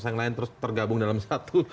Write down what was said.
yang lain terus tergabung dalam satu